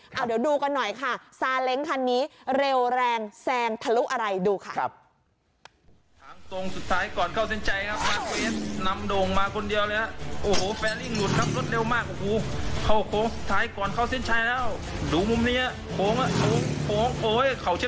เดี๋ยวดูกันหน่อยค่ะซาเล้งคันนี้เร็วแรงแซงทะลุอะไรดูค่ะ